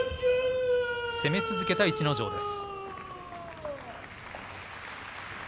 攻め続けた逸ノ城です。